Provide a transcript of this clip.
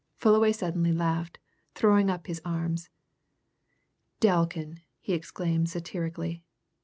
Fullaway suddenly laughed, throwing up his arms. "Delkin!" he exclaimed satirically.